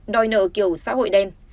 đòi nợ kiểu xã hội đen